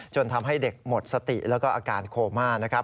จนทำให้เด็กหมดสติและอาการโค้มา